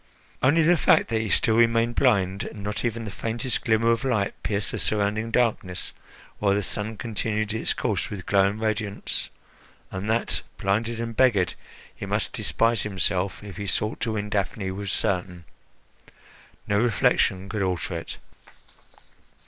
Only the fact that he still remained blind, and not even the faintest glimmer of light pierced the surrounding darkness, while the sun continued its course with glowing radiance, and that, blinded and beggared, he must despise himself if he sought to win Daphne, was certain. No reflection could alter it.